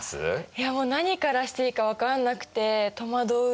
いやもう何からしていいか分かんなくて戸惑うよね。